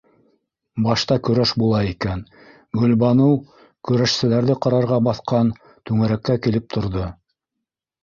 Башта көрәш була икән - Гөлбаныу көрәшселәрҙе ҡарарға баҫҡан түңәрәккә килеп торҙо.